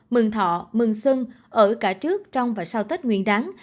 mừng thọ mừng xuân ở cả trước trong và sau tết nguyên đáng